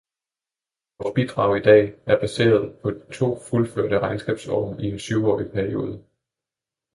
Vores bidrag i dag er baserede på to fuldførte regnskabsår i en syvårig periode.